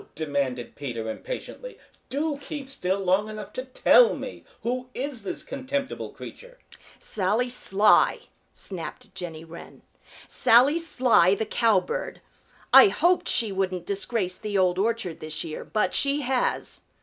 demanded Peter impatiently. "Do keep still long enough to tell me. Who is this contemptible creature?" "Sally Sly," snapped Jenny Wren. "Sally Sly the Cowbird. I hoped she wouldn't disgrace the Old Orchard this year, but she has.